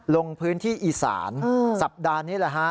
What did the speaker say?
ลงพื้นที่อีสานสัปดาห์นี้แหละฮะ